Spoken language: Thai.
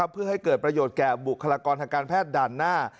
เพื่อให้เกิดประโยชน์แก่บุคลากรทางการแพทย์ด่านหน้า